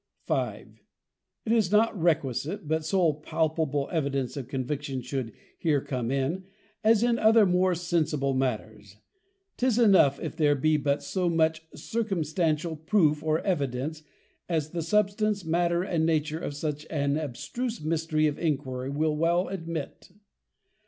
5. It is not requisite, that so palpable Evidence of Conviction should here come in, as in other more sensible matters; 'tis enough, if there be but so much circumstantial Proof or Evidence, as the Substance, Matter, and Nature of such an abstruse Mystery of Iniquity will well admit.